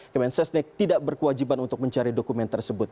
kemen sesnek tidak berkewajiban untuk mencari dokumen tersebut